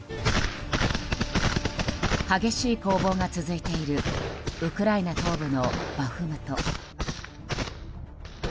激しい攻防が続いているウクライナ東部のバフムト。